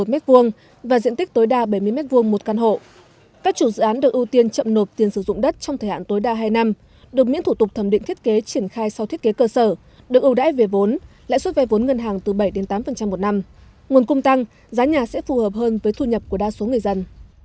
một m hai và diện tích tối đa bảy mươi m hai một căn hộ các chủ dự án được ưu tiên chậm nộp tiền sử dụng đất trong thời hạn tối đa hai năm được miễn thủ tục thẩm định thiết kế triển khai sau thiết kế cơ sở được ưu đãi về vốn lãi suất vay vốn ngân hàng từ bảy tám một năm nguồn cung tăng giá nhà sẽ phù hợp hơn với thu nhập của đa số người dân